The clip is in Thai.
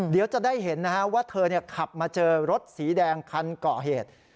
เดี๋ยวจะได้เห็นว่าเธอขับมาเจอรถสีแดงคันก่อเหตุ